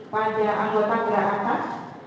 pada anggota belakang atas